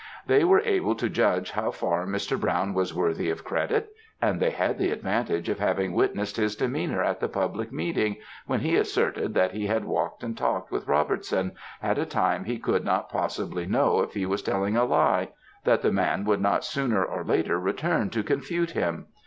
They were able to judge how far Mr. Brown was worthy of credit; and they had the advantage of having witnessed his demeanour at the public meeting, when he asserted that he had walked and talked with Robertson, at a time he could not possibly know if he was telling a lie, that the man would not sooner or later return to confute him.